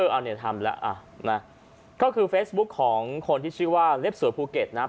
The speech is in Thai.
อันนี้ทำแล้วอ่ะนะก็คือเฟซบุ๊คของคนที่ชื่อว่าเล็บสวยภูเก็ตนะ